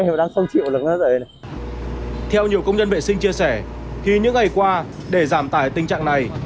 theo nhiều công nhân vệ sinh chia sẻ thì những ngày qua để giảm tải tình trạng này